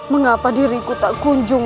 mengapa diriku tak kunjung